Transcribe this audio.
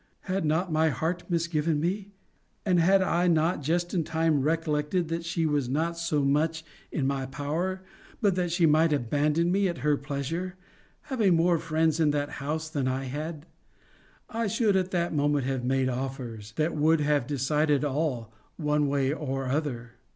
Had not my heart misgiven me, and had I not, just in time, recollected that she was not so much in my power, but that she might abandon me at her pleasure, having more friends in that house than I had, I should at that moment have made offers, that would have decided all, one way or other.